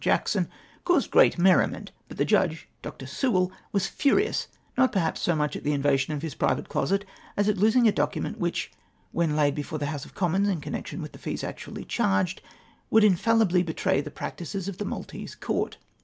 Jackson, caused great merri ment, but the Judge, Dr. Sewell, was furious, not per haps so much at the invasion of his private closet, as at losmg a document which, when laid before the House of Commons in comiexion with the fees actually charged, would infalhbly betray the practices of the Maltese Court.